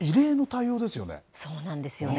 そうなんですよね。